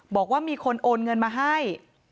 บอกว่ามีคนโอนเงินมาให้